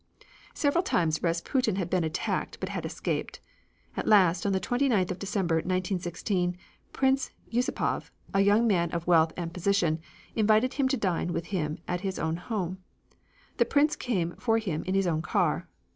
Several times Rasputin had been attacked, but had escaped. At last, on the 29th of December, 1916, Prince Yusapov, a young man of wealth and position, invited him to dine with him at his own home. The Prince came for him in his own car.